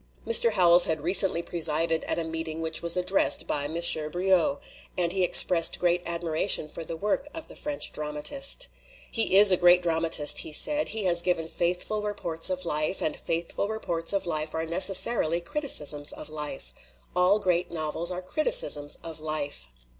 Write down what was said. Mr, Howells had recently presided at a meeting WAR STOPS LITERATURE which was addressed by M. Brieux, and he ex pressed great admiration for the work of the French dramatist. "He is a great dramatist," he said. "He has / given faithful reports of life, and faithful reports of life are necessarily criticisms of life. All great novels are criticisms of life.